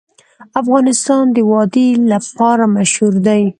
افغانستان د وادي لپاره مشهور دی.